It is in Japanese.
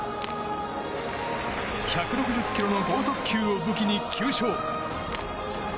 １６０キロの剛速球を武器に９勝。